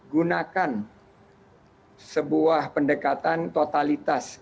gunakan sebuah pendekatan totalitas